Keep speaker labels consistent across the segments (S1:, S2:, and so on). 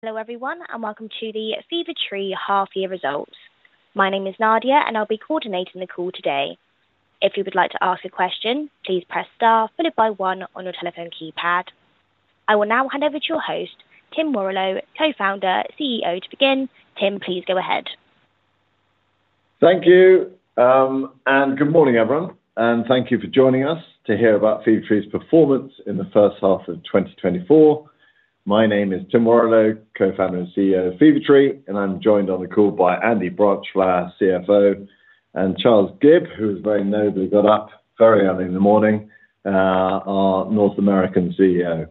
S1: Hello, everyone, and welcome to the Fever-Tree Half Year Results. My name is Nadia, and I'll be coordinating the call today. If you would like to ask a question, please press star followed by one on your telephone keypad. I will now hand over to your host, Tim Warrillow, Co-founder, CEO, to begin. Tim, please go ahead.
S2: Thank you, and good morning, everyone, and thank you for joining us to hear about Fever-Tree's performance in the first half of 2024. My name is Tim Warrillow, Co-founder and CEO of Fever-Tree, and I'm joined on the call by Andy Branchflower, our CFO, and Charles Gibb, who has very nobly got up very early in the morning, our North American CEO.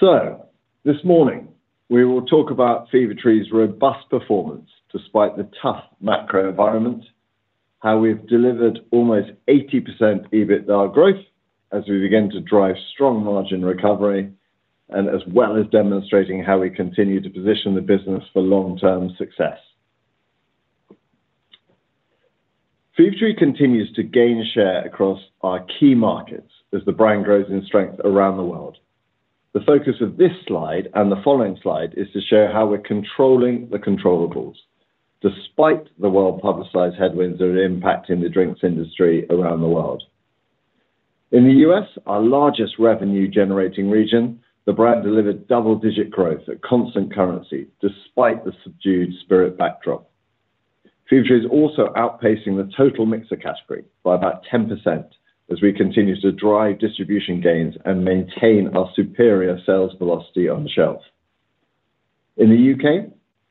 S2: So this morning, we will talk about Fever-Tree's robust performance despite the tough macro environment, how we've delivered almost 80% EBITDA growth as we begin to drive strong margin recovery, and as well as demonstrating how we continue to position the business for long-term success. Fever-Tree continues to gain share across our key markets as the brand grows in strength around the world. The focus of this slide and the following slide is to show how we're controlling the controllables, despite the well-publicized headwinds that are impacting the drinks industry around the world. In the U.S., our largest revenue-generating region, the brand delivered double-digit growth at constant currency, despite the subdued spirit backdrop. Fever-Tree is also outpacing the total mixer category by about 10% as we continue to drive distribution gains and maintain our superior sales velocity on the shelf. In the U.K.,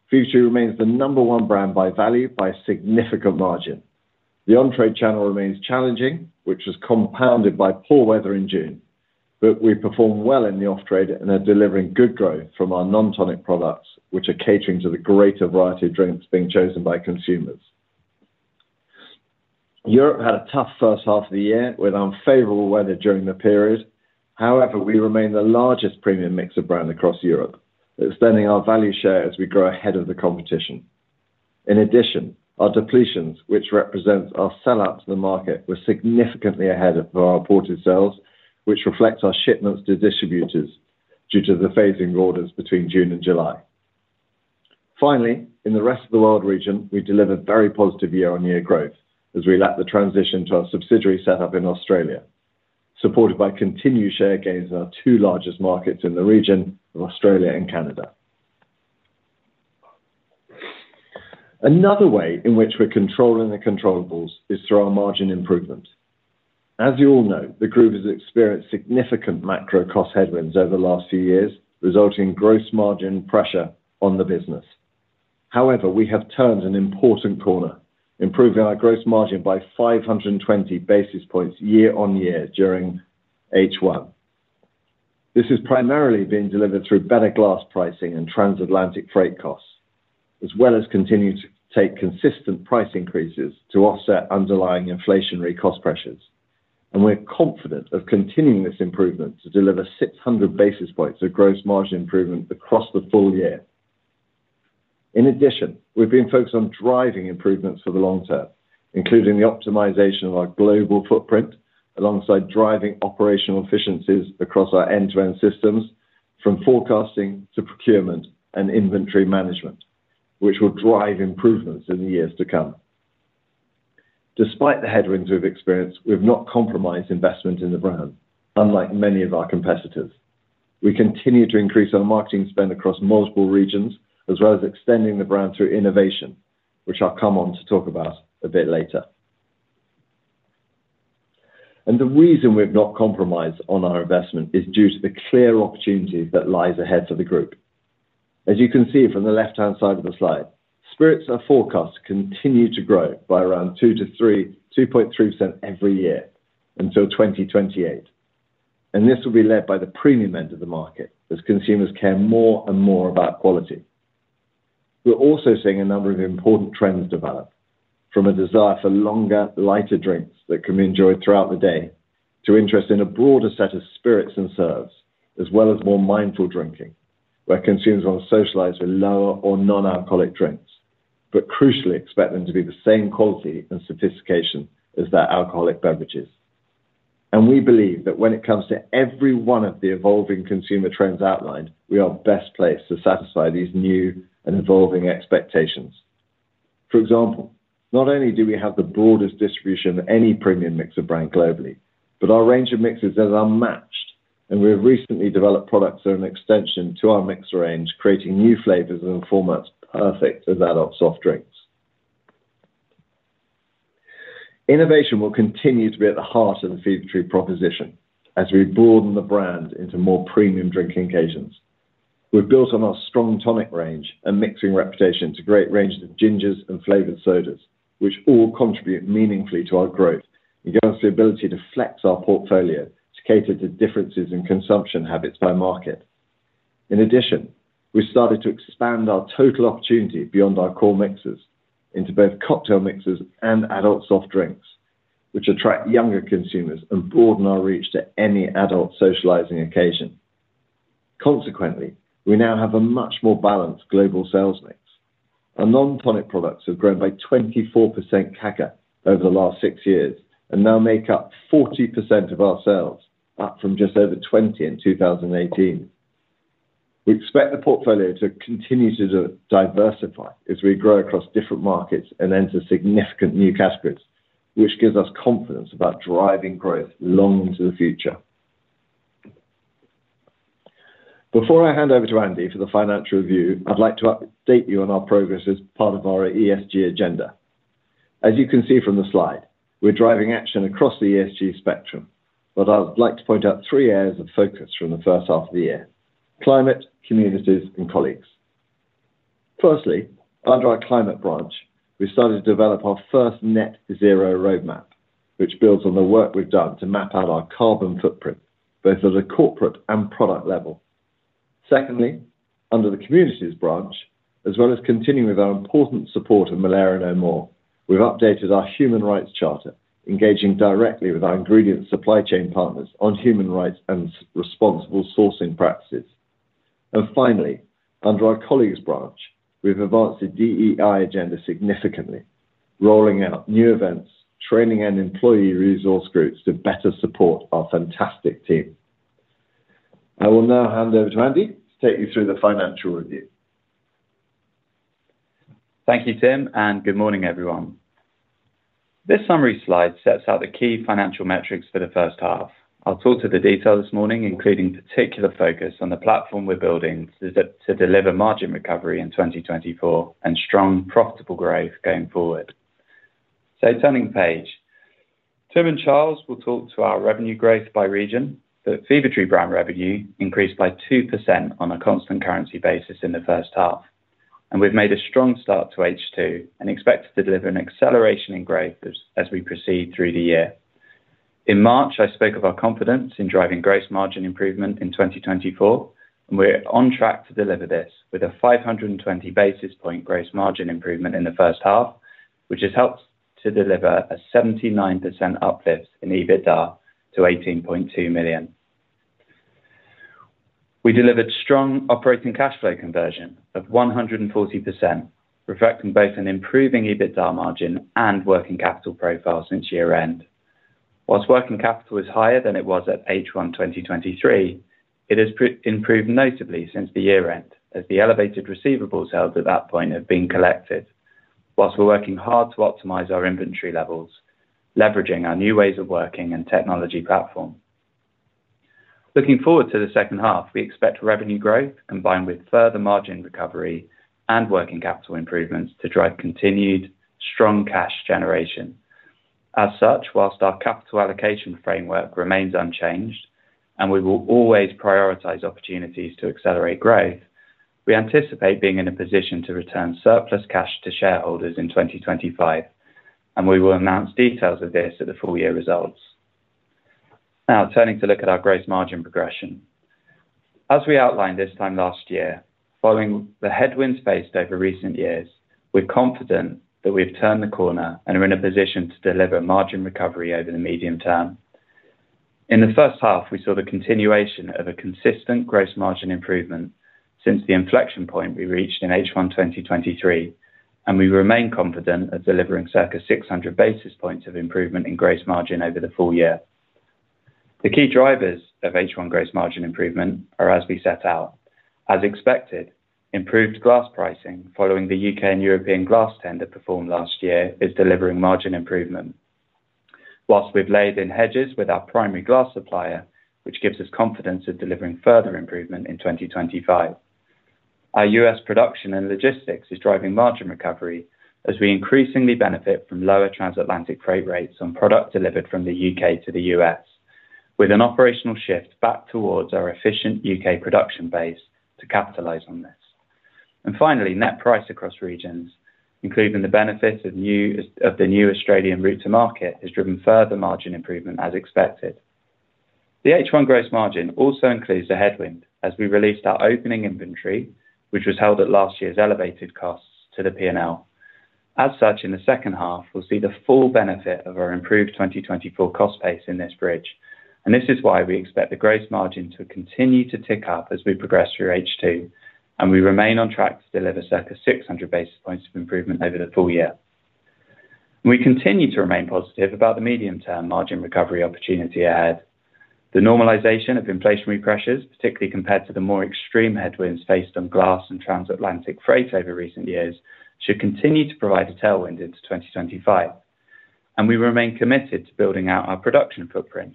S2: Fever-Tree remains the number one brand by value by a significant margin. The on-trade channel remains challenging, which is compounded by poor weather in June, but we perform well in the off-trade and are delivering good growth from our non-tonic products, which are catering to the greater variety of drinks being chosen by consumers. Europe had a tough first half of the year, with unfavorable weather during the period. However, we remain the largest premium mixer brand across Europe, extending our value share as we grow ahead of the competition. In addition, our depletions, which represents our sellout to the market, were significantly ahead of our reported sales, which reflects our shipments to distributors due to the phasing orders between June and July. Finally, in the rest of the world region, we delivered very positive year-on-year growth as we lap the transition to our subsidiary set up in Australia, supported by continued share gains in our two largest markets in the region of Australia and Canada. Another way in which we're controlling the controllables is through our margin improvement. As you all know, the group has experienced significant macro cost headwinds over the last few years, resulting in gross margin pressure on the business. However, we have turned an important corner, improving our gross margin by 520 basis points year-on-year during H1. This has primarily been delivered through better glass pricing and transatlantic freight costs, as well as continuing to take consistent price increases to offset underlying inflationary cost pressures. And we're confident of continuing this improvement to deliver 600 basis points of gross margin improvement across the full year. In addition, we've been focused on driving improvements for the long term, including the optimization of our global footprint, alongside driving operational efficiencies across our end-to-end systems, from forecasting to procurement and inventory management, which will drive improvements in the years to come. Despite the headwinds we've experienced, we've not compromised investment in the brand, unlike many of our competitors. We continue to increase our marketing spend across multiple regions, as well as extending the brand through innovation, which I'll come on to talk about a bit later, and the reason we've not compromised on our investment is due to the clear opportunities that lies ahead for the group. As you can see from the left-hand side of the slide, spirits are forecast to continue to grow by around 2.3% every year until 2028, and this will be led by the premium end of the market as consumers care more and more about quality. We're also seeing a number of important trends develop, from a desire for longer, lighter drinks that can be enjoyed throughout the day, to interest in a broader set of spirits and serves, as well as more mindful drinking, where consumers want to socialize with lower or non-alcoholic drinks, but crucially expect them to be the same quality and sophistication as their alcoholic beverages. And we believe that when it comes to every one of the evolving consumer trends outlined, we are best placed to satisfy these new and evolving expectations. For example, not only do we have the broadest distribution of any premium mixer brand globally, but our range of mixes is unmatched, and we've recently developed products that are an extension to our mixer range, creating new flavors and formats perfect for that of soft drinks. Innovation will continue to be at the heart of the Fever-Tree proposition as we broaden the brand into more premium drinking occasions. We've built on our strong tonic range and mixing reputation to great ranges of gingers and flavored sodas, which all contribute meaningfully to our growth and give us the ability to flex our portfolio to cater to differences in consumption habits by market. In addition, we started to expand our total opportunity beyond our core mixes into both cocktail mixes and adult soft drinks, which attract younger consumers and broaden our reach to any adult socializing occasion. Consequently, we now have a much more balanced global sales mix. Our non-tonic products have grown by 24% CAGR over the last six years and now make up 40% of our sales, up from just over 20% in 2018. We expect the portfolio to continue to diversify as we grow across different markets and enter significant new categories, which gives us confidence about driving growth long into the future. Before I hand over to Andy for the financial review, I'd like to update you on our progress as part of our ESG agenda. As you can see from the slide, we're driving action across the ESG spectrum, but I would like to point out three areas of focus from the first half of the year: climate, communities, and colleagues. Firstly, under our climate branch, we started to develop our first net zero roadmap, which builds on the work we've done to map out our carbon footprint, both at a corporate and product level. Secondly, under the communities branch, as well as continuing with our important support of Malaria No More, we've updated our human rights charter, engaging directly with our ingredient supply chain partners on human rights and responsible sourcing practices. Finally, under our colleagues branch, we've advanced the DEI agenda significantly, rolling out new events, training and employee resource groups to better support our fantastic team. I will now hand over to Andy to take you through the financial review.
S3: Thank you, Tim, and good morning, everyone. This summary slide sets out the key financial metrics for the first half. I'll talk to the detail this morning, including particular focus on the platform we're building to deliver margin recovery in 2024 and strong, profitable growth going forward. So turning page. Tim and Charles will talk to our revenue growth by region. The Fever-Tree brand revenue increased by 2% on a constant currency basis in the first half, and we've made a strong start to H2 and expect to deliver an acceleration in growth as we proceed through the year. In March, I spoke of our confidence in driving gross margin improvement in 2024, and we're on track to deliver this with a 520 basis point gross margin improvement in the first half, which has helped to deliver a 79% uplift in EBITDA to 18.2 million. We delivered strong operating cash flow conversion of 140%, reflecting both an improving EBITDA margin and working capital profile since year-end. Whilst working capital is higher than it was at H1 2023, it has improved notably since the year-end, as the elevated receivables held at that point have been collected. Whilst we're working hard to optimize our inventory levels, leveraging our new ways of working and technology platform. Looking forward to the second half, we expect revenue growth combined with further margin recovery and working capital improvements to drive continued strong cash generation. As such, whilst our capital allocation framework remains unchanged, and we will always prioritize opportunities to accelerate growth, we anticipate being in a position to return surplus cash to shareholders in 2025, and we will announce details of this at the full year results. Now, turning to look at our gross margin progression. As we outlined this time last year, following the headwinds faced over recent years, we're confident that we've turned the corner and are in a position to deliver margin recovery over the medium term. In the first half, we saw the continuation of a consistent gross margin improvement since the inflection point we reached in H1 2023, and we remain confident of delivering circa 600 basis points of improvement in gross margin over the full year. The key drivers of H1 gross margin improvement are as we set out. As expected, improved glass pricing following the U.K. and European glass tender performed last year is delivering margin improvement. While we've laid in hedges with our primary glass supplier, which gives us confidence of delivering further improvement in 2025. Our U.S. production and logistics is driving margin recovery as we increasingly benefit from lower transatlantic freight rates on product delivered from the U.K. to the U.S., with an operational shift back towards our efficient U.K. production base to capitalize on this. And finally, net price across regions, including the benefits of the new Australian route to market, has driven further margin improvement, as expected. The H1 gross margin also includes a headwind as we released our opening inventory, which was held at last year's elevated costs to the P&L. As such, in the second half, we'll see the full benefit of our improved 2024 cost base in this bridge, and this is why we expect the gross margin to continue to tick up as we progress through H2, and we remain on track to deliver circa 600 basis points of improvement over the full year. We continue to remain positive about the medium-term margin recovery opportunity ahead. The normalization of inflationary pressures, particularly compared to the more extreme headwinds faced on glass and transatlantic freight over recent years, should continue to provide a tailwind into 2025, and we remain committed to building out our production footprint.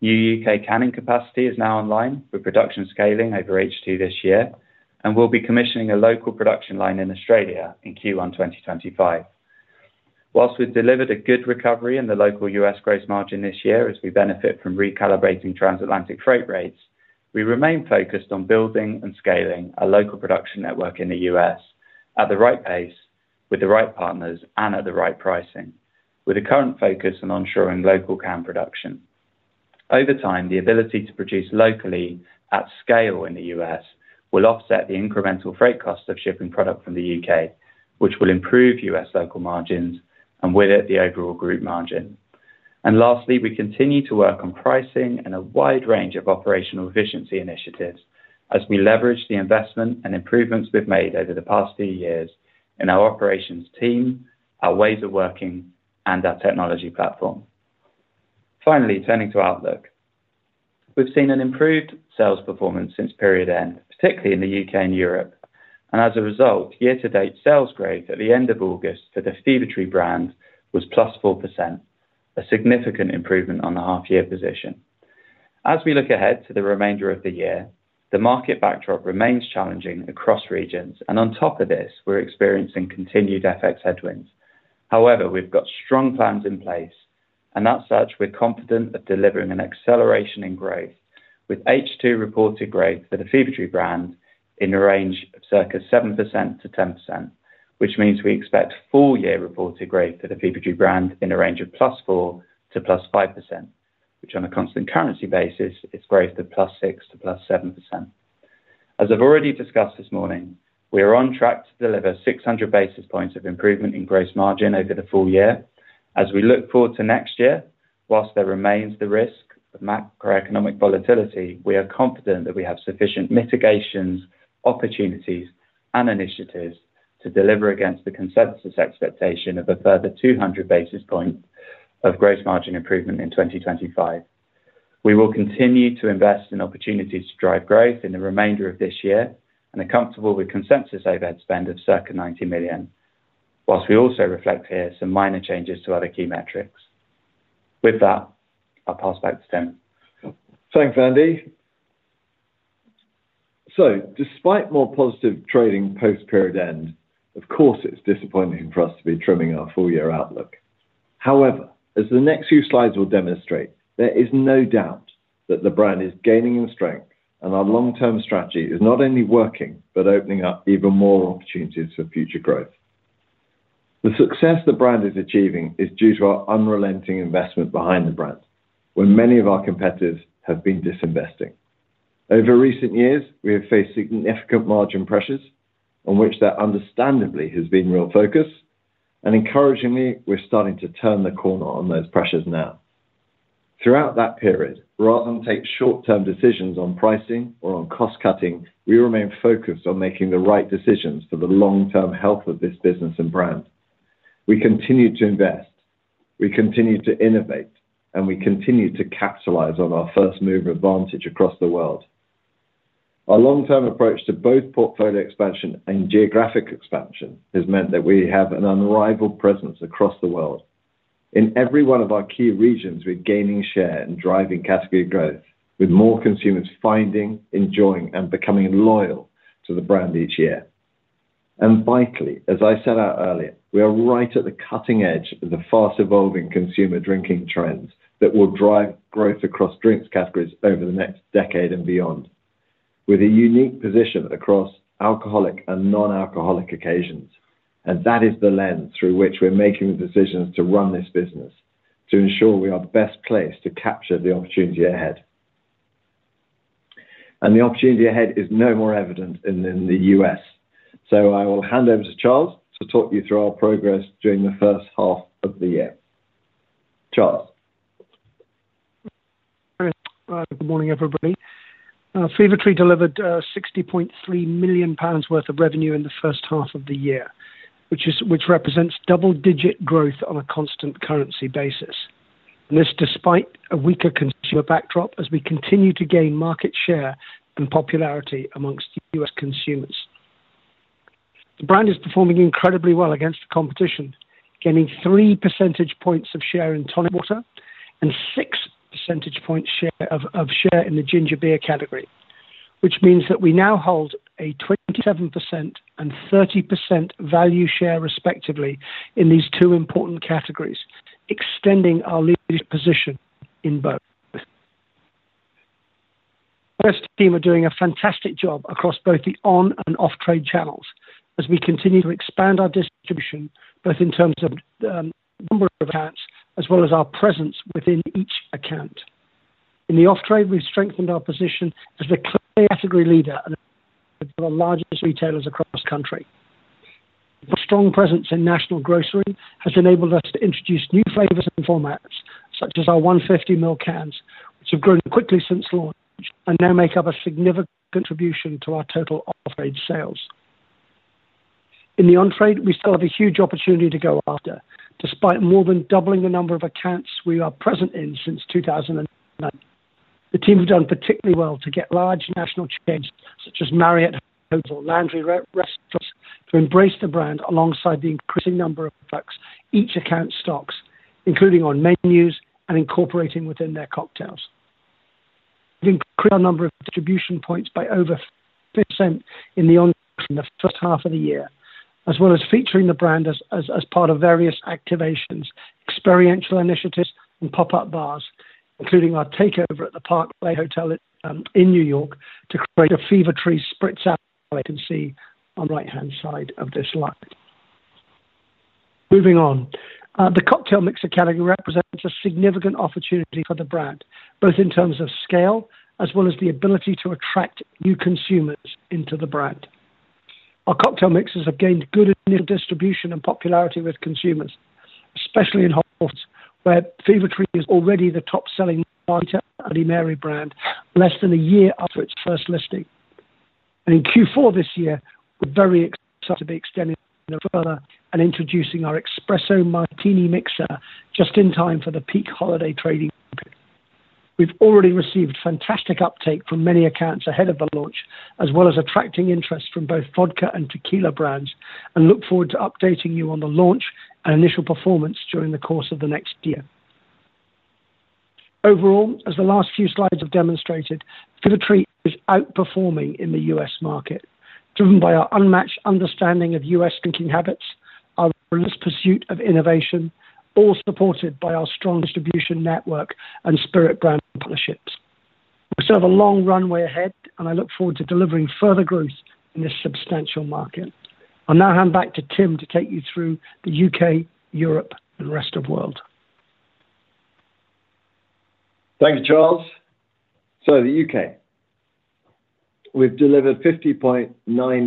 S3: New U.K. canning capacity is now online, with production scaling over H2 this year, and we'll be commissioning a local production line in Australia in Q1 2025. While we've delivered a good recovery in the local U.S. gross margin this year as we benefit from recalibrating transatlantic freight rates, we remain focused on building and scaling a local production network in the U.S. at the right pace, with the right partners, and at the right pricing, with a current focus on ensuring local can production. Over time, the ability to produce locally at scale in the U.S. will offset the incremental freight costs of shipping product from the U.K., which will improve U.S. local margins and with it, the overall group margin, and lastly, we continue to work on pricing and a wide range of operational efficiency initiatives as we leverage the investment and improvements we've made over the past few years in our operations team, our ways of working, and our technology platform. Finally, turning to outlook. We've seen an improved sales performance since period end, particularly in the U.K. and Europe, and as a result, year-to-date sales growth at the end of August for the Fever-Tree brand was +4%, a significant improvement on the half year position. As we look ahead to the remainder of the year, the market backdrop remains challenging across regions, and on top of this, we're experiencing continued FX headwinds. However, we've got strong plans in place, and as such, we're confident of delivering an acceleration in growth, with H2 reported growth for the Fever-Tree brand in a range of circa 7%-10%, which means we expect full-year reported growth for the Fever-Tree brand in a range of +4%-5%, which on a constant currency basis, is growth of +6%-7%. As I've already discussed this morning, we are on track to deliver 600 basis points of improvement in gross margin over the full year. As we look forward to next year, whilst there remains the risk of macroeconomic volatility, we are confident that we have sufficient mitigations, opportunities, and initiatives to deliver against the consensus expectation of a further 200 basis points of gross margin improvement in 2025. We will continue to invest in opportunities to drive growth in the remainder of this year and are comfortable with consensus overhead spend of circa 90 million, whilst we also reflect here some minor changes to other key metrics. With that, I'll pass back to Tim.
S2: Thanks, Andy. So despite more positive trading post-period end, of course, it's disappointing for us to be trimming our full-year outlook. However, as the next few slides will demonstrate, there is no doubt that the brand is gaining in strength, and our long-term strategy is not only working but opening up even more opportunities for future growth. The success the brand is achieving is due to our unrelenting investment behind the brand, when many of our competitors have been disinvesting. Over recent years, we have faced significant margin pressures, on which there understandably has been real focus, and encouragingly, we're starting to turn the corner on those pressures now. Throughout that period, rather than take short-term decisions on pricing or on cost-cutting, we remain focused on making the right decisions for the long-term health of this business and brand. We continue to invest, we continue to innovate, and we continue to capitalize on our first-mover advantage across the world. Our long-term approach to both portfolio expansion and geographic expansion has meant that we have an unrivaled presence across the world. In every one of our key regions, we're gaining share and driving category growth, with more consumers finding, enjoying, and becoming loyal to the brand each year. And vitally, as I set out earlier, we are right at the cutting edge of the fast-evolving consumer drinking trends that will drive growth across drinks categories over the next decade and beyond, with a unique position across alcoholic and non-alcoholic occasions. And that is the lens through which we're making the decisions to run this business, to ensure we are best placed to capture the opportunity ahead. And the opportunity ahead is no more evident than in the U.S. So I will hand over to Charles to talk you through our progress during the first half of the year. Charles?
S4: Good morning, everybody. Fever-Tree delivered 60.3 million pounds worth of revenue in the first half of the year, which represents double-digit growth on a constant currency basis. This, despite a weaker consumer backdrop, as we continue to gain market share and popularity among U.S. consumers. The brand is performing incredibly well against the competition, gaining 3 percentage points of share in tonic water and 6 percentage points of share in the ginger beer category, which means that we now hold a 27% and 30% value share, respectively, in these two important categories, extending our leadership position in both. Our team are doing a fantastic job across both the on and off-trade channels as we continue to expand our distribution, both in terms of number of accounts as well as our presence within each account. In the off-trade, we've strengthened our position as the clear category leader and the largest retailers across the country. The strong presence in national grocery has enabled us to introduce new flavors and formats, such as our 150 ml cans, which have grown quickly since launch and now make up a significant contribution to our total off-trade sales. In the on-trade, we still have a huge opportunity to go after. Despite more than doubling the number of accounts we are present in since 2009, the team have done particularly well to get large national chains, such as Marriott Hotels, Landry's, to embrace the brand alongside the increasing number of products each account stocks, including on menus and incorporating within their cocktails. We've increased our number of distribution points by over 20% in the first half of the year, as well as featuring the brand as part of various activations, experiential initiatives, and pop-up bars, including our takeover at the Park Lane Hotel in New York, to create a Fever-Tree Spritz Alley, as you can see on the right-hand side of this slide. Moving on. The cocktail mixer category represents a significant opportunity for the brand, both in terms of scale as well as the ability to attract new consumers into the brand. Our cocktail mixes have gained good distribution and popularity with consumers, especially in households, where Fever-Tree is already the top selling brand, bloody mary brand, less than a year after its first listing. In Q4 this year, we're very excited to be extending further and introducing our Espresso Martini Mixer just in time for the peak holiday trading period. We've already received fantastic uptake from many accounts ahead of the launch, as well as attracting interest from both vodka and tequila brands, and look forward to updating you on the launch and initial performance during the course of the next year. Overall, as the last few slides have demonstrated, Fever-Tree is outperforming in the U.S. market, driven by our unmatched understanding of U.S. drinking habits, our relentless pursuit of innovation, all supported by our strong distribution network and spirit brand partnerships. We still have a long runway ahead, and I look forward to delivering further growth in this substantial market. I'll now hand back to Tim to take you through the U.K., Europe, and rest of world.
S2: Thank you, Charles. So the U.K. We've delivered 50.9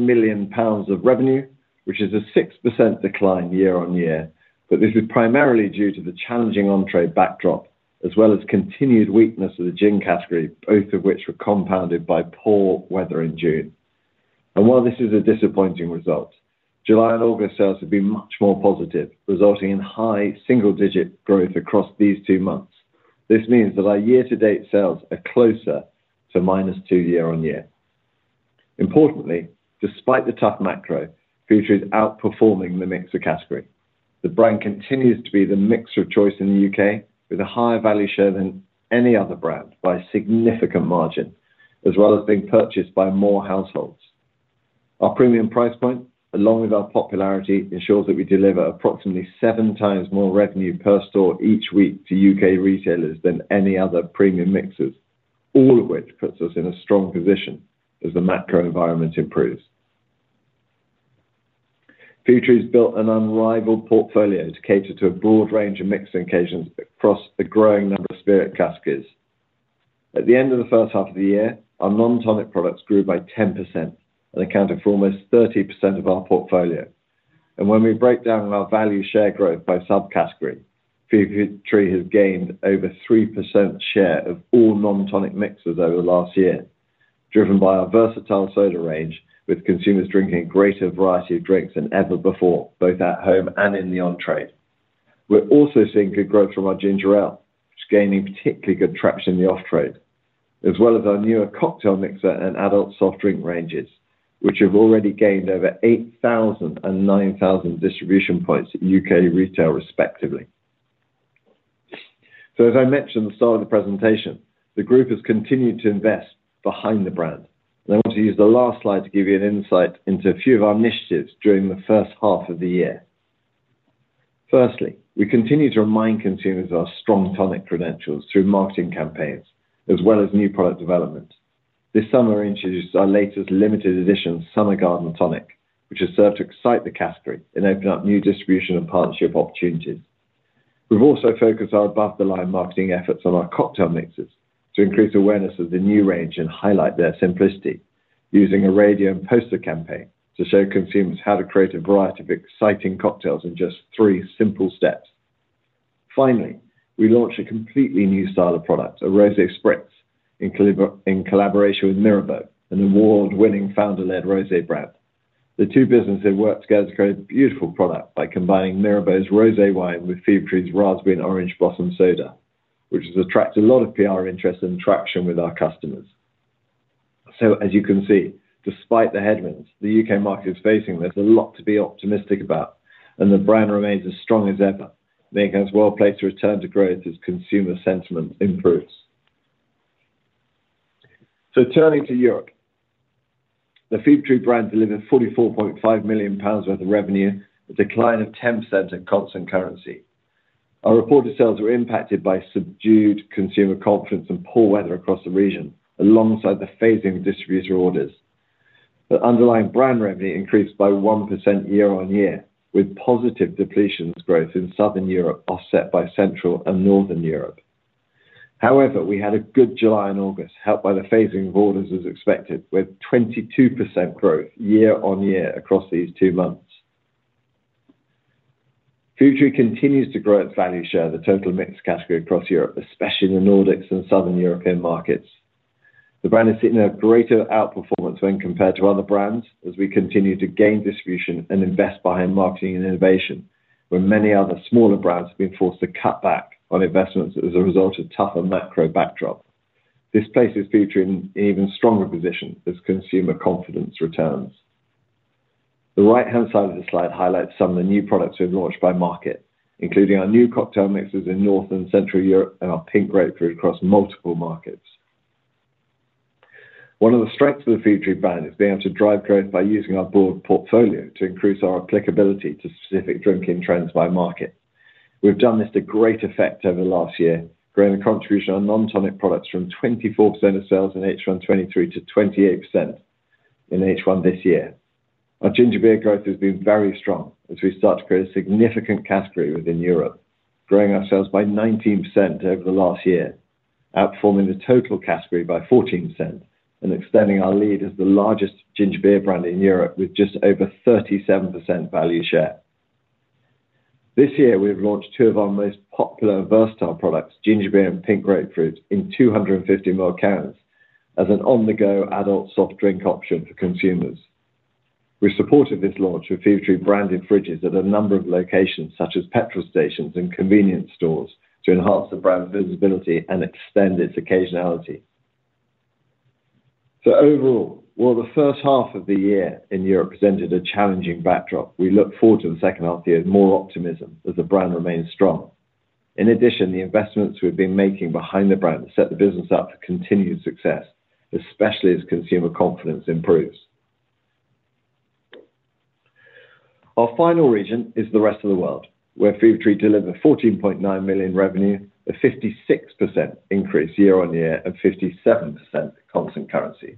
S2: million pounds of revenue, which is a 6% decline year-on-year, but this is primarily due to the challenging on-trade backdrop, as well as continued weakness of the gin category, both of which were compounded by poor weather in June. And while this is a disappointing result, July and August sales have been much more positive, resulting in high single-digit growth across these two months. This means that our year-to-date sales are closer to -2% year-on-year. Importantly, despite the tough macro, Fever-Tree is outperforming the mixer category. The brand continues to be the mixer of choice in the UK, with a higher value share than any other brand by a significant margin, as well as being purchased by more households. Our premium price point, along with our popularity, ensures that we deliver approximately seven times more revenue per store each week to U.K. retailers than any other premium mixers, all of which puts us in a strong position as the macro environment improves. Fever-Tree has built an unrivaled portfolio to cater to a broad range of mixing occasions across a growing number of spirit categories. At the end of the first half of the year, our non-tonic products grew by 10% and accounted for almost 30% of our portfolio. And when we break down our value share growth by subcategory, Fever-Tree has gained over 3% share of all non-tonic mixers over the last year, driven by our versatile soda range, with consumers drinking a greater variety of drinks than ever before, both at home and in the on-trade. We're also seeing good growth from our ginger ale, which is gaining particularly good traction in the off-trade, as well as our newer cocktail mixer and adult soft drink ranges, which have already gained over 8,000 and 9,000 distribution points at U.K. retail, respectively. So as I mentioned at the start of the presentation, the group has continued to invest behind the brand. I want to use the last slide to give you an insight into a few of our initiatives during the first half of the year. Firstly, we continue to remind consumers of our strong tonic credentials through marketing campaigns, as well as new product development. This summer, we introduced our latest limited edition, Summer Garden Tonic, which has served to excite the category and open up new distribution and partnership opportunities. We've also focused our above-the-line marketing efforts on our cocktail mixes to increase awareness of the new range and highlight their simplicity, using a radio and poster campaign to show consumers how to create a variety of exciting cocktails in just three simple steps. Finally, we launched a completely new style of product, a rosé spritz, in collaboration with Mirabeau, an award-winning founder-led rosé brand. The two businesses have worked together to create a beautiful product by combining Mirabeau's rosé wine with Fever-Tree's Raspberry and Orange Blossom soda, which has attracted a lot of PR interest and traction with our customers. So as you can see, despite the headwinds the U.K. market is facing, there's a lot to be optimistic about, and the brand remains as strong as ever, making us well-placed to return to growth as consumer sentiment improves. So turning to Europe. The Fever-Tree brand delivered 44.5 million pounds worth of revenue, a decline of 10% in constant currency. Our reported sales were impacted by subdued consumer confidence and poor weather across the region, alongside the phasing of distributor orders. The underlying brand revenue increased by 1% year-on-year, with positive depletions growth in Southern Europe offset by Central and Northern Europe. However, we had a good July and August, helped by the phasing of orders as expected, with 22% growth year-on-year across these two months. Fever-Tree continues to grow its value share of the total mixer category across Europe, especially in the Nordics and Southern European markets. The brand is sitting in a greater outperformance when compared to other brands, as we continue to gain distribution and invest behind marketing and innovation, where many other smaller brands have been forced to cut back on investments as a result of tougher macro backdrop. This places Fever-Tree in an even stronger position as consumer confidence returns. The right-hand side of the slide highlights some of the new products we've launched by market, including our new cocktail mixes in North and Central Europe and our pink grapefruit across multiple markets. One of the strengths of the Fever-Tree brand is being able to drive growth by using our broad portfolio to increase our applicability to specific drinking trends by market. We've done this to great effect over the last year, growing the contribution of non-tonic products from 24% of sales in H1 2023 to 28% in H1 this year. Our ginger beer growth has been very strong as we start to create a significant category within Europe, growing our sales by 19% over the last year, outperforming the total category by 14% and extending our lead as the largest ginger beer brand in Europe, with just over 37% value share. This year, we've launched two of our most popular versatile products, ginger beer and pink grapefruit, in 250 ml cans as an on-the-go adult soft drink option for consumers. We supported this launch with Fever-Tree branded fridges at a number of locations, such as petrol stations and convenience stores, to enhance the brand visibility and extend its occasionality. So overall, while the first half of the year in Europe presented a challenging backdrop, we look forward to the second half of the year with more optimism as the brand remains strong. In addition, the investments we've been making behind the brand set the business up for continued success, especially as consumer confidence improves. Our final region is the rest of the world, where Fever-Tree delivered 14.9 million revenue, a 56% increase year-on-year, and 57% constant currency.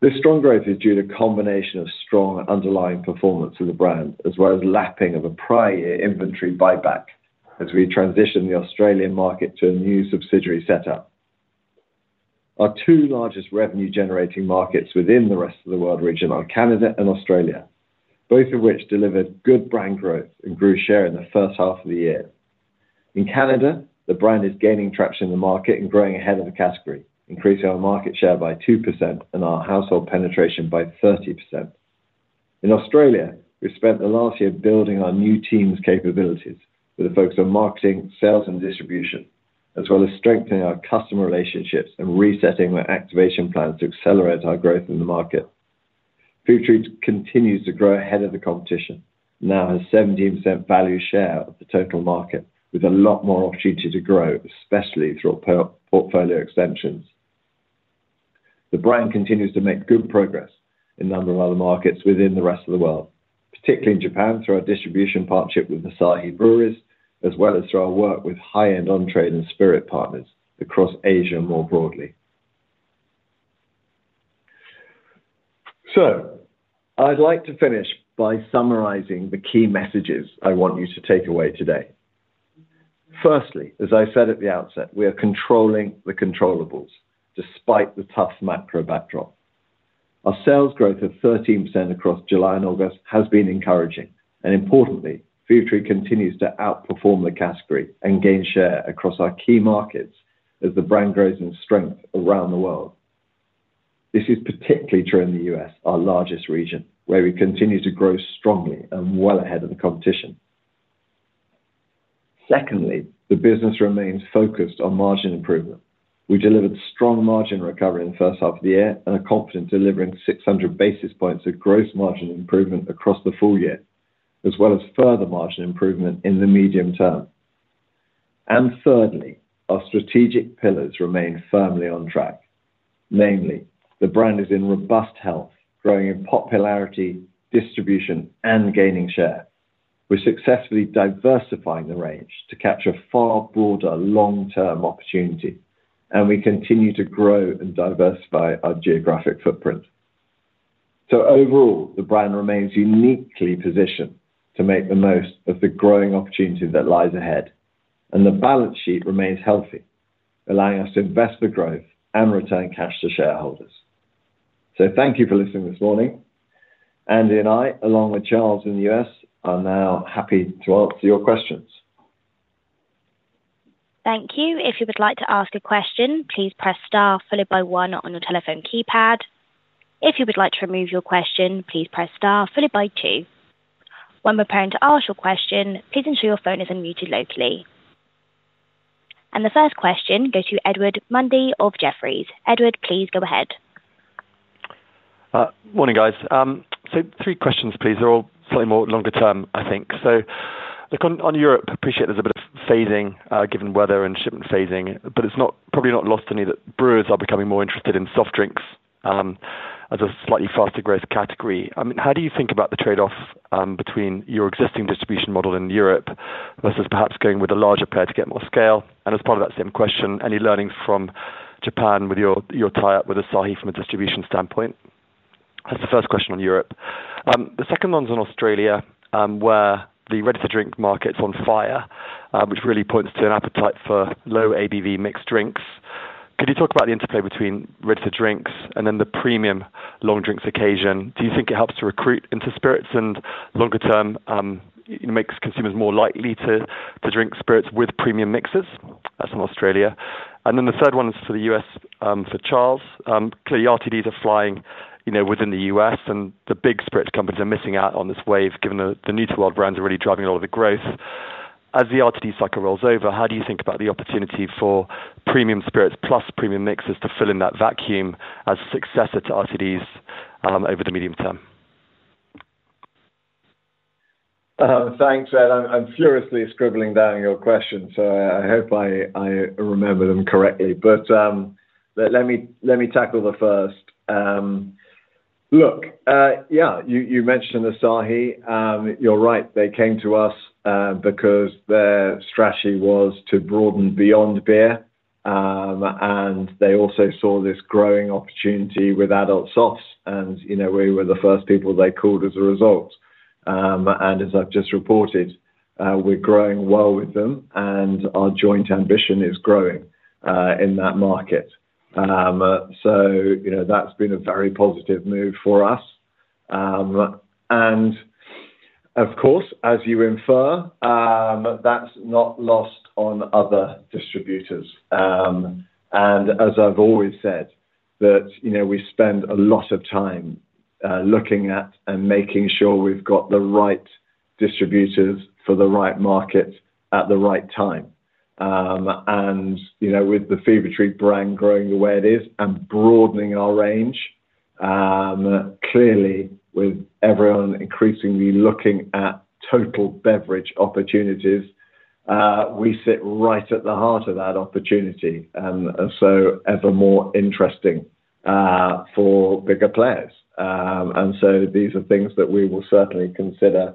S2: This strong growth is due to a combination of strong underlying performance of the brand, as well as lapping of a prior year inventory buyback, as we transition the Australian market to a new subsidiary setup. Our two largest revenue-generating markets within the rest of the world region are Canada and Australia, both of which delivered good brand growth and grew share in the first half of the year. In Canada, the brand is gaining traction in the market and growing ahead of the category, increasing our market share by 2% and our household penetration by 30%. In Australia, we've spent the last year building our new team's capabilities with a focus on marketing, sales, and distribution, as well as strengthening our customer relationships and resetting our activation plans to accelerate our growth in the market. Fever-Tree continues to grow ahead of the competition, now has 17% value share of the total market, with a lot more opportunity to grow, especially through our portfolio extensions. The brand continues to make good progress in a number of other markets within the rest of the world, particularly in Japan, through our distribution partnership with Asahi Breweries, as well as through our work with high-end on-trade and spirit partners across Asia, more broadly. I'd like to finish by summarizing the key messages I want you to take away today. Firstly, as I said at the outset, we are controlling the controllables despite the tough macro backdrop. Our sales growth of 13% across July and August has been encouraging, and importantly, Fever-Tree continues to outperform the category and gain share across our key markets as the brand grows in strength around the world. This is particularly true in the U.S., our largest region, where we continue to grow strongly and well ahead of the competition. Secondly, the business remains focused on margin improvement. We delivered strong margin recovery in the first half of the year and are confident delivering 600 basis points of gross margin improvement across the full year, as well as further margin improvement in the medium term, and thirdly, our strategic pillars remain firmly on track. Namely, the brand is in robust health, growing in popularity, distribution, and gaining share. We're successfully diversifying the range to capture a far broader long-term opportunity, and we continue to grow and diversify our geographic footprint. So overall, the brand remains uniquely positioned to make the most of the growing opportunity that lies ahead, and the balance sheet remains healthy, allowing us to invest for growth and return cash to shareholders. So thank you for listening this morning. Andy and I, along with Charles in the U.S., are now happy to answer your questions.
S1: Thank you. If you would like to ask a question, please press star followed by one on your telephone keypad. If you would like to remove your question, please press star followed by two. When preparing to ask your question, please ensure your phone is unmuted locally, and the first question goes to Edward Mundy of Jefferies. Edward, please go ahead.
S5: Morning, guys. Three questions, please. They're all slightly more longer term, I think. Look, on Europe, appreciate there's a bit of phasing, given weather and shipment phasing, but it's probably not lost on me that brewers are becoming more interested in soft drinks, as a slightly faster growth category. How do you think about the trade-off between your existing distribution model in Europe versus perhaps going with a larger player to get more scale? And as part of that same question, any learnings from Japan with your tie-up with Asahi from a distribution standpoint? That's the first question on Europe. The second one's on Australia, where the ready-to-drink market's on fire, which really points to an appetite for low ABV mixed drinks. Could you talk about the interplay between ready-to-drink and then the premium long drink occasion? Do you think it helps to recruit into spirits and longer term, makes consumers more likely to drink spirits with premium mixers? That's on Australia. And then the third one is for the U.S., for Charles. Clearly, RTDs are flying, you know, within the U.S., and the big spirits companies are missing out on this wave, given the new-to-world brands are really driving a lot of the growth. As the RTD cycle rolls over, how do you think about the opportunity for premium spirits plus premium mixers to fill in that vacuum as a successor to RTDs, over the medium term?
S2: Thanks, Ed. I'm furiously scribbling down your questions, so I hope I remember them correctly. But let me tackle the first. Look, yeah, you mentioned Asahi. You're right, they came to us because their strategy was to broaden beyond beer. And they also saw this growing opportunity with adult softs, and you know, we were the first people they called as a result and as I've just reported, we're growing well with them, and our joint ambition is growing in that market. So, you know, that's been a very positive move for us. And of course, as you infer, that's not lost on other distributors. And as I've always said, that, you know, we spend a lot of time looking at and making sure we've got the right distributors for the right markets at the right time. And, you know, with the Fever-Tree brand growing the way it is and broadening our range, clearly, with everyone increasingly looking at total beverage opportunities, we sit right at the heart of that opportunity, and so ever more interesting for bigger players. And so these are things that we will certainly consider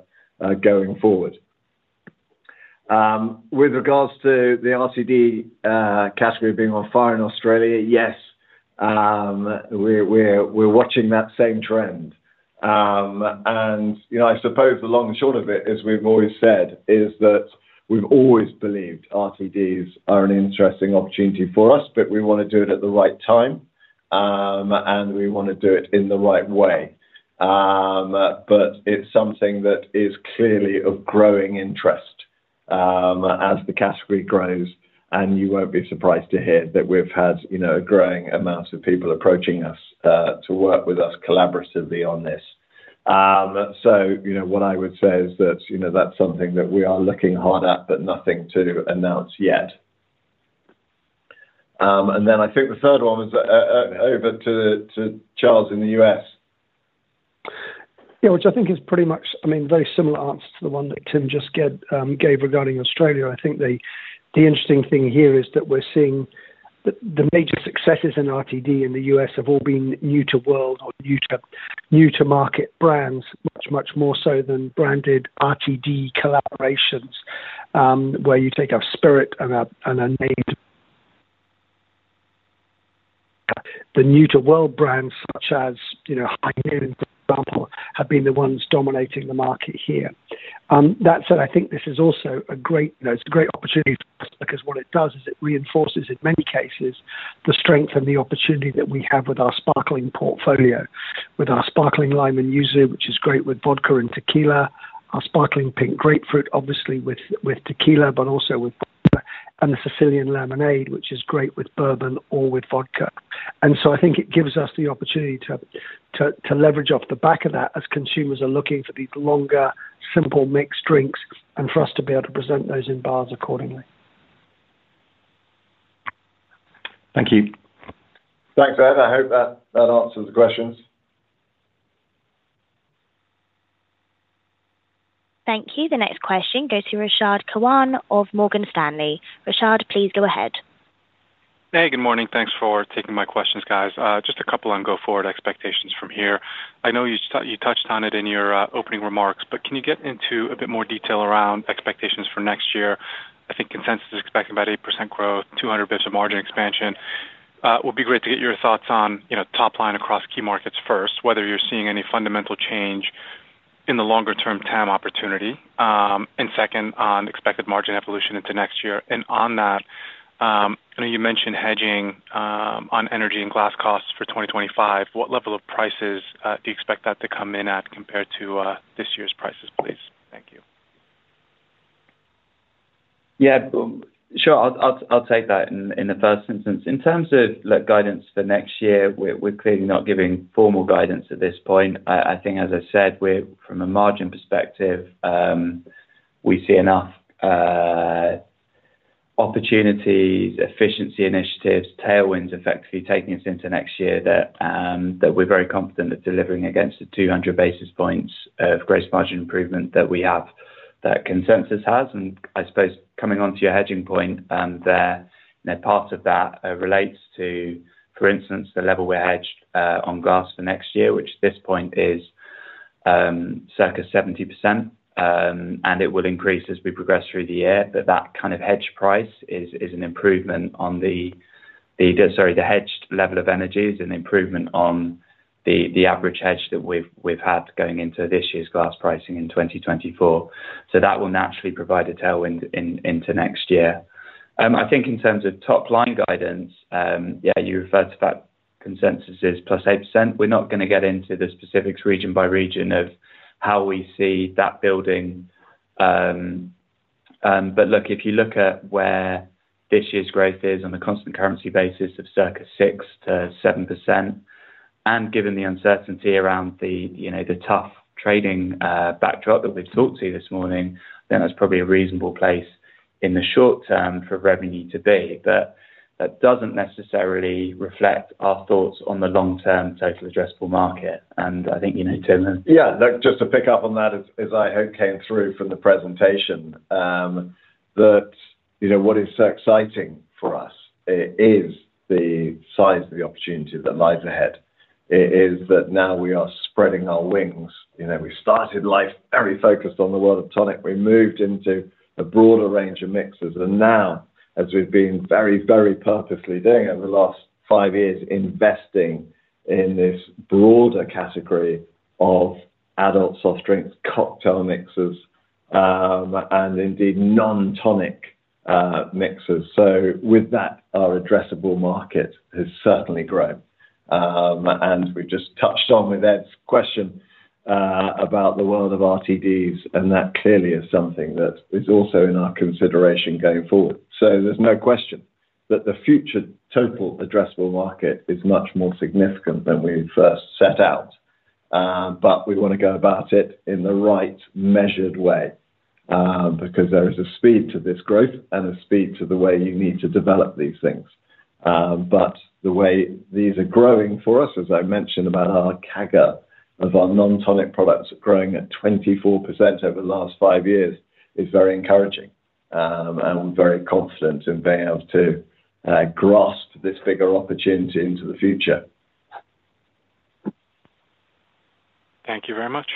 S2: going forward. With regards to the RTD category being on fire in Australia, yes, we're watching that same trend. And, you know, I suppose the long and short of it, as we've always said, is that we've always believed RTDs are an interesting opportunity for us, but we want to do it at the right time, and we want to do it in the right way. But it's something that is clearly of growing interest, as the category grows, and you won't be surprised to hear that we've had, you know, a growing amount of people approaching us to work with us collaboratively on this. So, you know, what I would say is that, you know, that's something that we are looking hard at, but nothing to announce yet. And then I think the third one was over to Charles in the U.S.
S4: Yeah, which I think is pretty much, I mean, very similar answer to the one that Tim just gave regarding Australia. I think the interesting thing here is that we're seeing the major successes in RTD in the U.S. have all been new to world or new to market brands, much, much more so than branded RTD collaborations, where you take a spirit and a name. The new to world brands, such as, you know, Heineken, for example, have been the ones dominating the market here. That said, I think this is also a great, you know, it's a great opportunity for us, because what it does is it reinforces, in many cases, the strength and the opportunity that we have with our sparkling portfolio, with our Sparkling Lime and Yuzu, which is great with vodka and tequila, our Sparkling Pink Grapefruit, obviously with tequila, but also with vodka, and the Sicilian Lemonade, which is great with bourbon or with vodka. And so I think it gives us the opportunity to leverage off the back of that as consumers are looking for these longer, simple mixed drinks, and for us to be able to present those in bars accordingly.
S5: Thank you.
S2: Thanks, Ed. I hope that that answers the questions.
S1: Thank you. The next question goes to Rashad Kawan of Morgan Stanley. Rashad, please go ahead.
S6: Hey, good morning. Thanks for taking my questions, guys. Just a couple on go forward expectations from here. I know you touched on it in your opening remarks, but can you get into a bit more detail around expectations for next year? I think consensus is expecting about 8% growth, 200 basis points of margin expansion. It would be great to get your thoughts on, you know, top line across key markets first, whether you're seeing any fundamental change in the longer term TAM opportunity. And second, on expected margin evolution into next year. And on that, I know you mentioned hedging on energy and glass costs for 2025. What level of prices do you expect that to come in at compared to this year's prices, please? Thank you.
S3: Yeah, sure. I'll take that in the first instance. In terms of the guidance for next year, we're clearly not giving formal guidance at this point. I think, as I said, we're from a margin perspective, we see enough opportunities, efficiency initiatives, tailwinds effectively taking us into next year, that we're very confident that delivering against the 200 basis points of gross margin improvement that we have, that consensus has. And I suppose coming onto your hedging point, there, and a part of that relates to, for instance, the level we're hedged on glass for next year, which at this point is circa 70%, and it will increase as we progress through the year. But that kind of hedge price is an improvement on the, sorry, the hedged level of energy is an improvement on the average hedge that we've had going into this year's glass pricing in 2024. So that will naturally provide a tailwind into next year. I think in terms of top-line guidance, yeah, you referred to that consensus is plus +8%. We're not gonna get into the specifics region by region of how we see that building. But look, if you look at where this year's growth is on a constant currency basis of circa 6%-7%, and given the uncertainty around the, you know, the tough trading backdrop that we've talked to you this morning, then that's probably a reasonable place in the short term for revenue to be. But that doesn't necessarily reflect our thoughts on the long-term total addressable market. And I think, you know, Tim.
S7: Yeah, look, just to pick up on that, as I hope came through from the presentation, that, you know, what is so exciting for us is the size of the opportunity that lies ahead. Is that now we are spreading our wings. You know, we started life very focused on the world of tonic. We moved into a broader range of mixers, and now, as we've been very, very purposely doing over the last five years, investing in this broader category of adult soft drinks, cocktail mixers and indeed non-tonic mixes. So with that, our addressable market has certainly grown. And we've just touched on, with Ed's question, about the world of RTDs, and that clearly is something that is also in our consideration going forward. So there's no question that the future total addressable market is much more significant than we first set out, but we want to go about it in the right measured way, because there is a speed to this growth and a speed to the way you need to develop these things. But the way these are growing for us, as I mentioned, about our CAGR of our non-tonic products are growing at 24% over the last 5 years, is very encouraging, and I'm very confident in being able to grasp this bigger opportunity into the future.
S6: Thank you very much.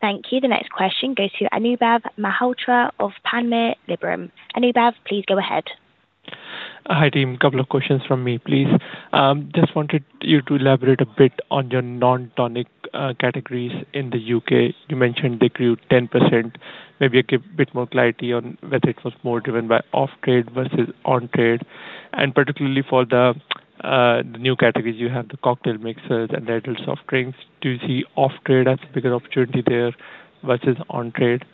S1: Thank you. The next question goes to Anubhav Malhotra of Panmure Liberum. Anubhav, please go ahead.
S8: Hi, team. A couple of questions from me, please. Just wanted you to elaborate a bit on your non-tonic categories in the U.K. You mentioned they grew 10%. Maybe give a bit more clarity on whether it was more driven by off-trade versus on-trade, and particularly for the new categories, you have the cocktail mixers and the adult soft drinks. Do you see off-trade as a bigger opportunity there versus on-trade?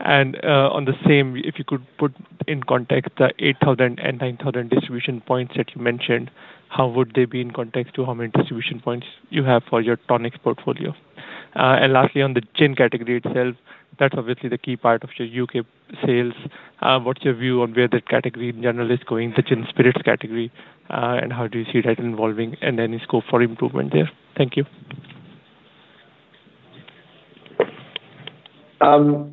S8: And on the same, if you could put in context the 8,000 and 9,000 distribution points that you mentioned, how would they be in context to how many distribution points you have for your tonic portfolio? And lastly, on the gin category itself, that's obviously the key part of your U.K. sales. What's your view on where the category in general is going, the gin spirits category, and how do you see that evolving, and any scope for improvement there? Thank you.
S2: So yeah,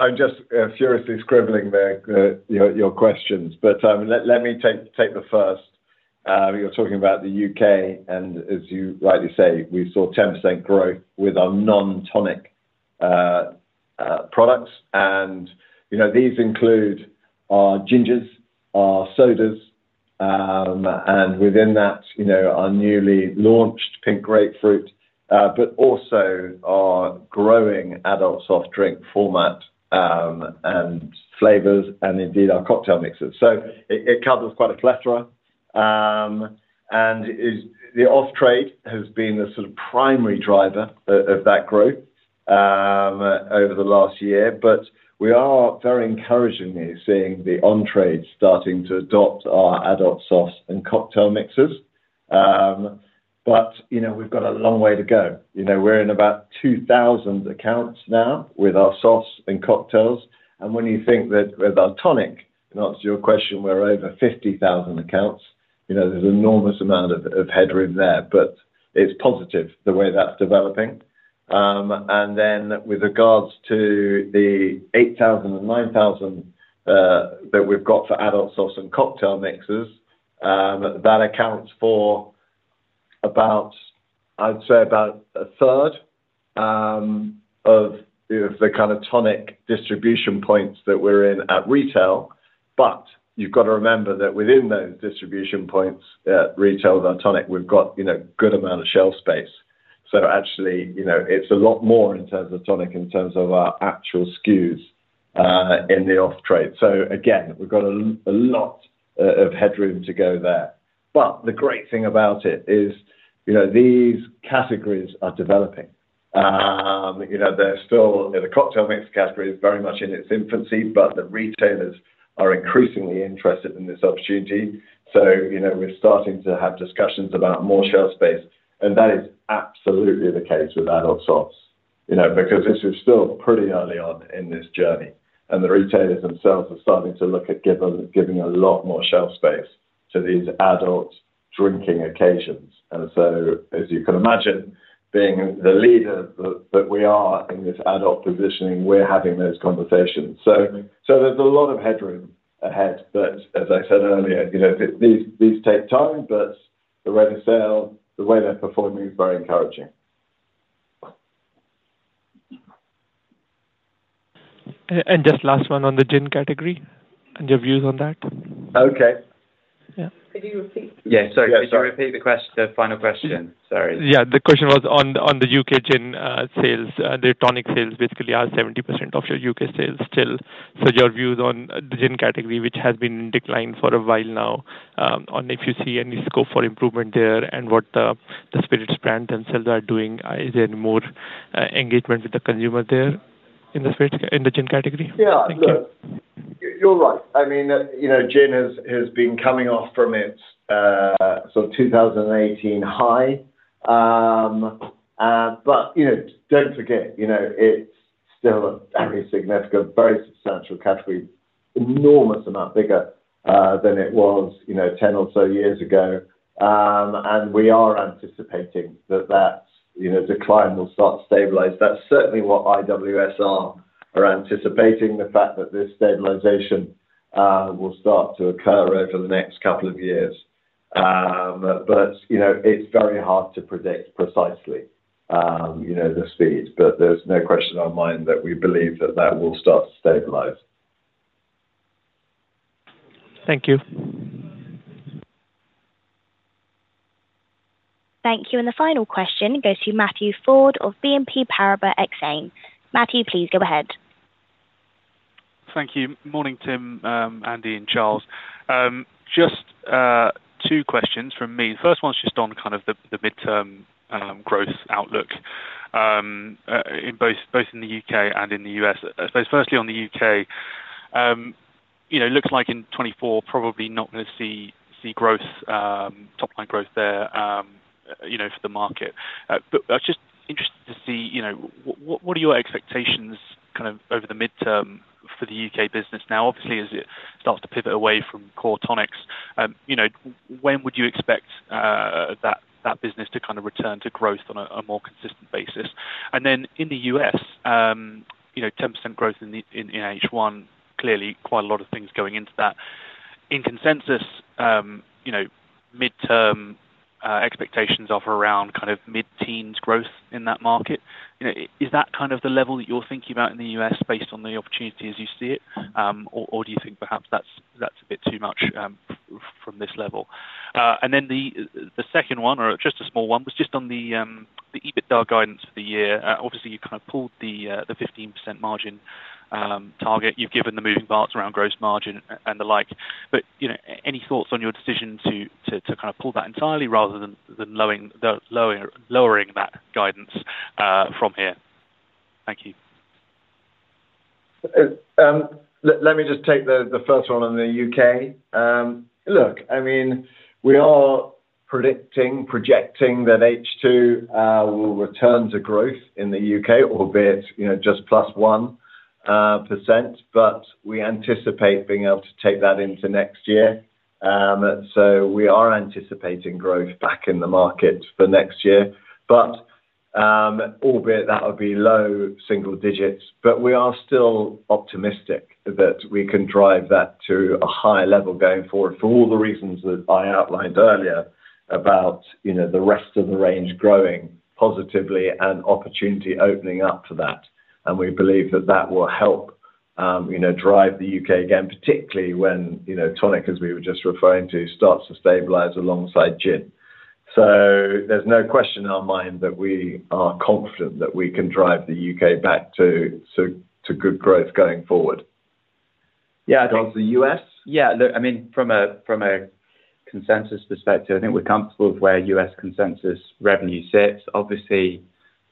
S2: I'm just furiously scribbling there, your questions. But let me take the first. You're talking about the U.K., and as you rightly say, we saw 10% growth with our non-tonic products. And you know, these include our gingers, our sodas, and within that, you know, our newly launched pink grapefruit, but also our growing adult soft drink format, and flavors and indeed, our cocktail mixes. So it covers quite a plethora. And the off-trade has been the sort of primary driver of that growth over the last year, but we are very encouragingly seeing the on-trade starting to adopt our adult sodas and cocktail mixers. But you know, we've got a long way to go. You know, we're in about 2,000 accounts now with our soda and cocktails, and when you think that with our tonic, to answer your question, we're over 50,000 accounts, you know, there's an enormous amount of headroom there, but it's positive, the way that's developing, and then with regards to the 8,000 and 9,000 that we've got for adult soda and cocktail mixers, that accounts for about, I'd say, about 1/3 of the kind of tonic distribution points that we're in at retail. But you've got to remember that within those distribution points, retail of our tonic, we've got, you know, a good amount of shelf space. So actually, you know, it's a lot more in terms of tonic, in terms of our actual SKUs in the off-trade. So again, we've got a lot of headroom to go there. But the great thing about it is, you know, these categories are developing. You know, they're still. The cocktail mix category is very much in its infancy, but the retailers are increasingly interested in this opportunity. So, you know, we're starting to have discussions about more shelf space, and that is absolutely the case with adult soft drinks, you know, because this is still pretty early on in this journey, and the retailers themselves are starting to look at giving a lot more shelf space to these adult drinking occasions. And so, as you can imagine, being the leader that we are in this adult positioning, we're having those conversations. So there's a lot of headroom ahead. But as I said earlier, you know, these take time, but the rate of sale, the way they're performing is very encouraging.
S8: And just last one on the gin category and your views on that?
S2: Okay.
S8: Yeah.
S2: Could you repeat? Yeah. Sorry, could you repeat the final question? Sorry.
S8: Yeah. The question was on the U.K. gin sales. The tonic sales basically are 70% of your U.K. sales still. So your views on the gin category, which has been in decline for a while now, on if you see any scope for improvement there and what the spirits brand themselves are doing. Is there more engagement with the consumer there in the spirits, in the gin category?
S2: Yeah.
S8: Thank you.
S2: Look, you're right. I mean, you know, gin has been coming off from its sort of 2018 high. But, you know, don't forget, you know, it's still a very significant, very substantial category, enormous amount bigger than it was, you know, 10 or so years ago. And we are anticipating that, you know, decline will start to stabilize. That's certainly what IWSR are anticipating, the fact that this stabilization will start to occur over the next couple of years. But, you know, it's very hard to predict precisely, you know, the speed, but there's no question in our mind that we believe that will start to stabilize.
S8: Thank you.
S1: Thank you. And the final question goes to Matthew Ford of BNP Paribas Exane. Matthew, please go ahead.
S9: Thank you. Morning, Tim, Andy, and Charles. Just two questions from me. First one's just on kind of the midterm growth outlook in both the U.K. and the U.S. I suppose firstly on the U.K., you know, looks like in 2024, probably not gonna see top-line growth there, you know, for the market. But I was just interested to see, you know, what are your expectations kind of over the midterm for the U.K. business now, obviously, as it starts to pivot away from core tonics? You know, when would you expect that business to kind of return to growth on a more consistent basis? And then in the U.S., you know, 10% growth in the, in H1, clearly quite a lot of things going into that. In consensus, you know, medium-term expectations are for around kind of mid-teens growth in that market. You know, is that kind of the level that you're thinking about in the U.S. based on the opportunity as you see it? Or do you think perhaps that's a bit too much from this level? And then the second one, or just a small one, was just on the EBITDA guidance for the year. Obviously, you kind of pulled the 15% margin target. You've given the moving parts around gross margin and the like, but, you know, any thoughts on your decision to kind of pull that entirely rather than lowering that guidance from here? Thank you.
S2: Let me just take the first one on the U.K. Look, I mean, we are predicting, projecting that H2 will return to growth in the U.K., albeit, you know, just +1%, but we anticipate being able to take that into next year. So we are anticipating growth back in the market for next year, but, albeit that would be low single digits. But we are still optimistic that we can drive that to a higher level going forward for all the reasons that I outlined earlier about, you know, the rest of the range growing positively and opportunity opening up for that. And we believe that that will help, you know, drive the U.K. again, particularly when, you know, tonic, as we were just referring to, starts to stabilize alongside gin. There's no question in our mind that we are confident that we can drive the U.K. back to good growth going forward.
S4: Yeah- Do you want the U.S.? Yeah, look, I mean, from a consensus perspective, I think we're comfortable with where U.S. consensus revenue sits. Obviously,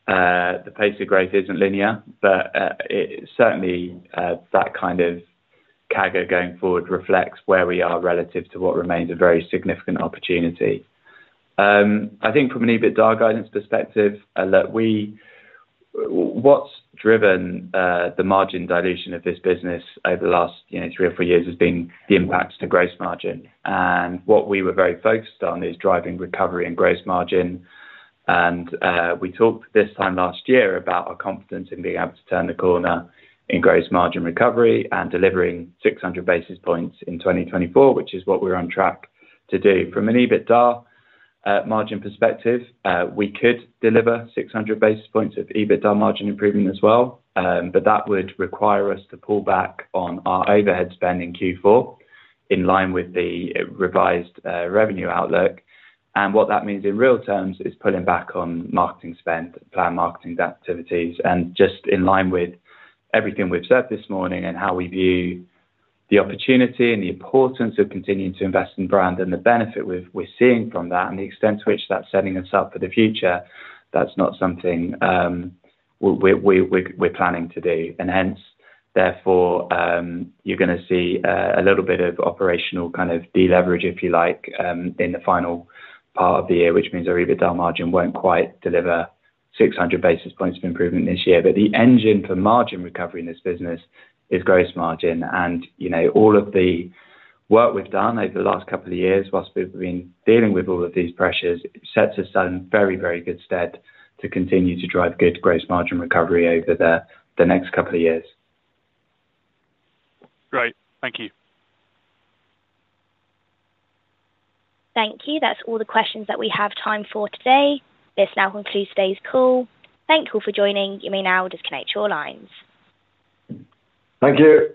S4: the pace of growth isn't linear, but it certainly that kind of CAGR going forward reflects where we are relative to what remains a very significant opportunity. I think from an EBITDA guidance perspective, look, we, what’s driven the margin dilution of this business over the last, you know, three or four years has been the impacts to gross margin. And what we were very focused on is driving recovery and gross margin. And we talked this time last year about our confidence in being able to turn the corner in gross margin recovery and delivering 600 basis points in 2024, which is what we're on track to do. From an EBITDA margin perspective, we could deliver 600 basis points of EBITDA margin improvement as well, but that would require us to pull back on our overhead spend in Q4, in line with the revised revenue outlook. And what that means in real terms is pulling back on marketing spend, planned marketing activities, and just in line with everything we've said this morning and how we view the opportunity and the importance of continuing to invest in brand and the benefit we're seeing from that and the extent to which that's setting us up for the future, that's not something we're planning to do. And hence, therefore, you're gonna see a little bit of operational kind of deleverage, if you like, in the final part of the year, which means our EBITDA margin won't quite deliver 600 basis points of improvement this year. But the engine for margin recovery in this business is gross margin. And, you know, all of the work we've done over the last couple of years, whilst we've been dealing with all of these pressures, sets us on very, very good stead to continue to drive good gross margin recovery over the next couple of years.
S9: Great. Thank you.
S1: Thank you. That's all the questions that we have time for today. This now concludes today's call. Thank you all for joining. You may now disconnect your lines.
S2: Thank you.